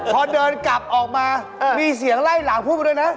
พอเดินกลับออกมามีเสียงไล่หลังพูดมาด้วยนะ